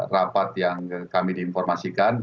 rapat yang kami diinformasikan